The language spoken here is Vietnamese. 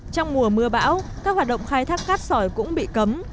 trong mùa mưa bão các hoạt động khai thác cát sỏi cũng bị cấm